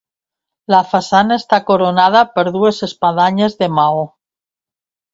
La façana està coronada per dues espadanyes de maó.